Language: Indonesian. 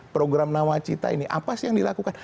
program nawacita ini apa sih yang dilakukan